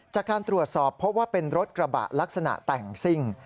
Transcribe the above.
จากการตรวจสอบพบว่าเป็นรถกระบะลักษณะแต่งซิ่ง